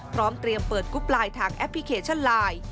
พร้อมเตรียมเปิดกรุ๊ปไลน์ทางแอปพลิเคชันไลน์